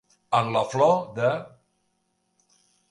En la flor de.